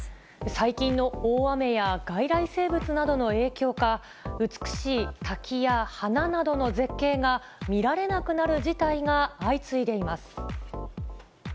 最近の大雨や外来生物などの影響か、美しい滝や花などの絶景が見られなくなる事態が相次いでいます。